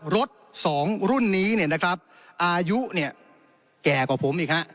รถ๒รุ่นนี้อายุแก่กว่าผมอีกนะ